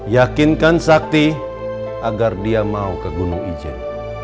yakinkan sakti agar dia mau ke gunung ijen